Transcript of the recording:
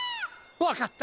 わかった！